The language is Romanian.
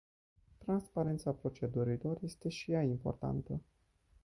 Transparența procedurilor este și ea importantă.